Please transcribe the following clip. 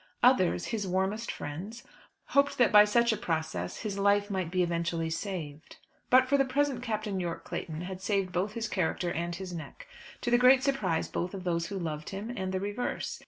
Others, his warmest friends, hoped that by such a process his life might be eventually saved. But for the present Captain Yorke Clayton had saved both his character and his neck, to the great surprise both of those who loved him and the reverse.